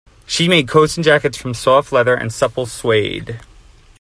She made coats and jackets from soft leather and supple suede.